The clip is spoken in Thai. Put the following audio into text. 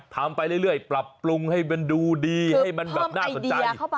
ทำไปเรื่อยปรับปรุงให้มันดูดีให้มันแบบน่าสนใจ